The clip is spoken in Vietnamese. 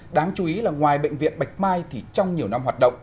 đáng chú ý là ngoài bệnh viện bạch mai thì trong nhiều năm hoạt động